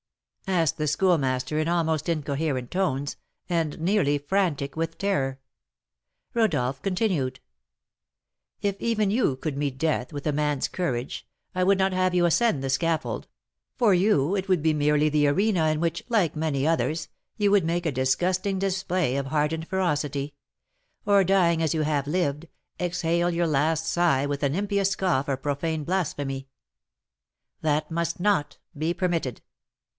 asked the Schoolmaster, in almost incoherent tones, and nearly frantic with terror. Rodolph continued: "If even you could meet death with a man's courage, I would not have you ascend the scaffold; for you it would be merely the arena in which, like many others, you would make a disgusting display of hardened ferocity; or, dying as you have lived, exhale your last sigh with an impious scoff or profane blasphemy. That must not be permitted.